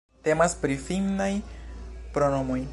Temas pri finnaj pronomoj.